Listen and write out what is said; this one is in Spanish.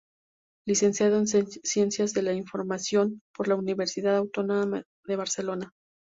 Licenciado en Ciencias de la Información por la Universidad Autónoma de Barcelona.